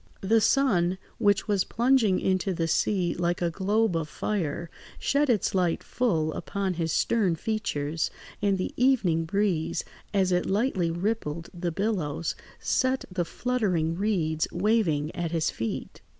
The sun, which was plunging into the sea like a globe of fire, shed its light full upon his stern features, and the evening breeze, as it lightly rippled the billows, set the fluttering reeds waving at his feet.